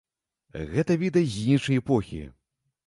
Гэта відэа з іншай эпохі.